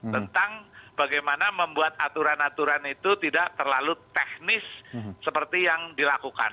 tentang bagaimana membuat aturan aturan itu tidak terlalu teknis seperti yang dilakukan